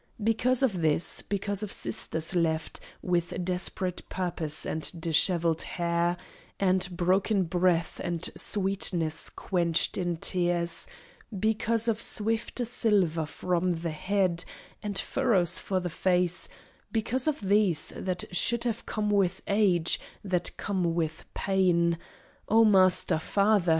Because of this because of sisters left With desperate purpose and dishevelled hair, And broken breath, and sweetness quenched in tears Because of swifter silver for the head, And furrows for the face because of these That should have come with age, that come with pain O Master! Father!